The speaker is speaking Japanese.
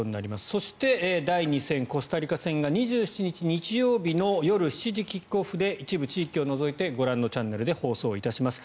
そして、第２戦コスタリカ戦が２７日日曜日の夜７時キックオフで一部地域を除いてご覧のチャンネルで放送いたします。